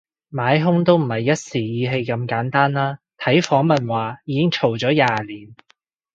買兇都唔係一時意氣咁簡單啦，睇訪問話已經嘈咗廿年